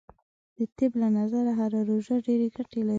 د طب له نظره هم روژه ډیرې ګټې لری .